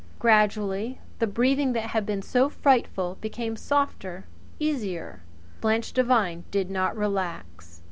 Gradually the breathing that had been so frightful became softer, easier. Blanche Devine did not relax.